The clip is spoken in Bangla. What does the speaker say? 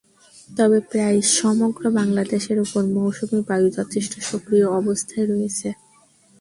তবে প্রায় সমগ্র বাংলাদেশের ওপর মৌসুমি বায়ু যথেষ্ট সক্রিয় অবস্থায় রয়েছে।